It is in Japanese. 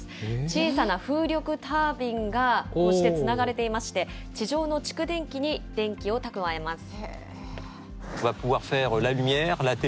小さな風力タービンが、こうしてつながれていまして、地上の蓄電機に電気を蓄えます。